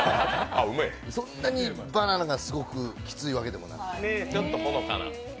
そんなにバナナがすごくきついわけでもない。